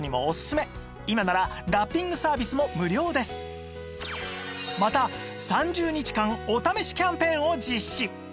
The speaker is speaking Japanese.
さらにまた３０日間お試しキャンペーンを実施